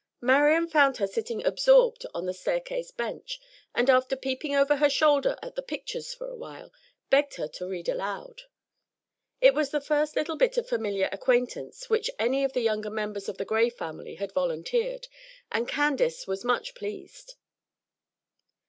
Marian found her sitting absorbed on the staircase bench, and after peeping over her shoulder at the pictures for a while, begged her to read aloud. It was the first little bit of familiar acquaintance which any of the younger members of the Gray family had volunteered, and Candace was much pleased.